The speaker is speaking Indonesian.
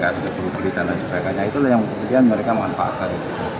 itu yang kemudian mereka manfaatkan